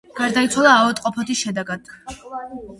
გარდაიცვალა ავადმყოფობის შედეგად.